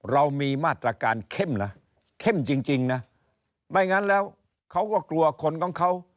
เรามีมาตรการเข้มนะเข้มจริงนะไม่งั้นแล้วเขาก็กลัวคนของเขา